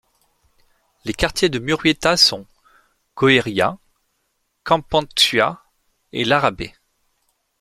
Les quartiers de Murueta sont: Goierria, kanpantxua et Larrabe.